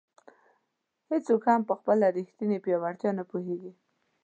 هیڅوک هم په خپله ریښتیني پیاوړتیا نه پوهېږي.